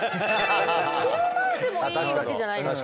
昼間でもいいわけじゃないですか。